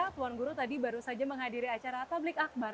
tuan guru tadi baru saja menghadiri acara tablik akbar